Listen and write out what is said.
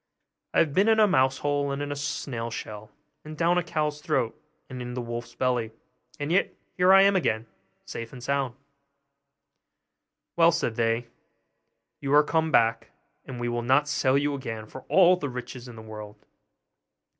'I have been in a mouse hole and in a snail shell and down a cow's throat and in the wolf's belly; and yet here I am again, safe and sound.' 'Well,' said they, 'you are come back, and we will not sell you again for all the riches in the world.